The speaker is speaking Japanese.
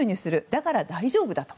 だから大丈夫だと。